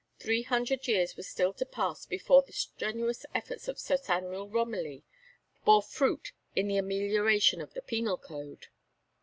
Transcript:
Three hundred years was still to pass before the strenuous efforts of Sir Samuel Romilly bore fruit in the amelioration of the penal code.